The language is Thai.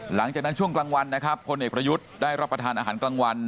หลังจากนั้นช่วงกลางวันนะครับพลเอกประยุทธ์ได้รับประทานอาหารกลางวัน